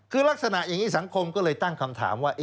คือลักษณะอย่างนี้สังคมก็เลยตั้งคำถามว่า